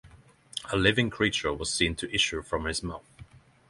A living creature was seen to issue from his mouth.